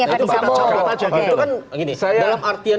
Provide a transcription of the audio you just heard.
itu kan gini dalam artian